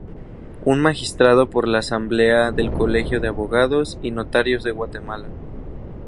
Un Magistrado por la Asamblea del Colegio de Abogados y Notarios de Guatemala.